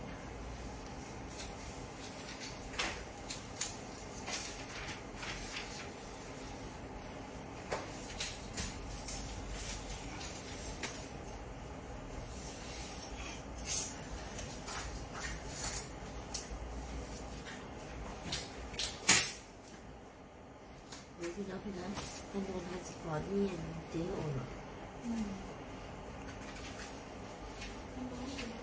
เมื่อที่เราไปน่ะต้องลงให้สิ่งของอีกอย่างเดี๋ยวอ่อนแหละ